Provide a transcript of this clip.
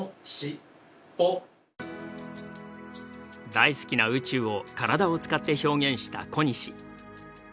大好きな宇宙を体を使って表現した小西。